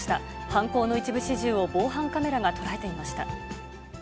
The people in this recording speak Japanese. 犯行の一部始終を防犯カメラが捉えていました。